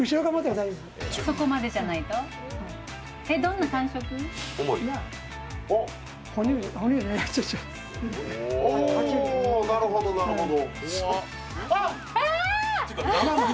なるほどなるほど。